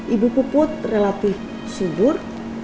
ibu puput relatif subur